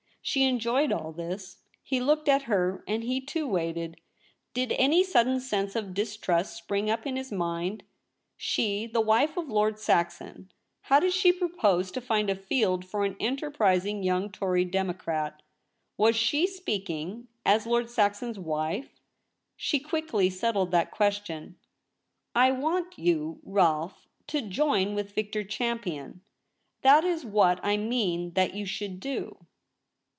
She enjoyed all this. He looked at her, and he too waited. Did any sudden sense of distrust spring up in his mind ? She, the wife of Lord Saxon, how did she propose to find a field for an enterprising young Tory Democrat ? Was she speaking as Lord Saxon's wife ? She quickly settled that question. ' I want you, Rolfe, to join with Victor Champion. That is what I mean that you should do.'